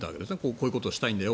こういうことをしたいんだよ